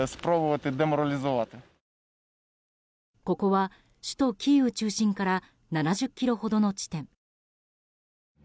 ここは、首都キーウ中心から７０ｋｍほどの地点。